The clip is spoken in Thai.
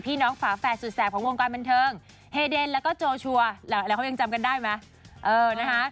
ฝาแฝดสุดแสบของวงการบันเทิงเฮเดนแล้วก็โจชัวร์แล้วเขายังจำกันได้ไหมเออนะคะ